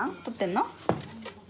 撮ってんの？